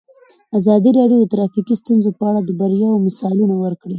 ازادي راډیو د ټرافیکي ستونزې په اړه د بریاوو مثالونه ورکړي.